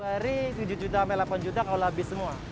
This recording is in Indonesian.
dari tujuh juta sampai delapan juta kalau habis semua